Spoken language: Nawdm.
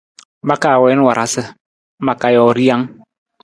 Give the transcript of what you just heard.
Ma ka wiin warasa, ma ka joo rijang.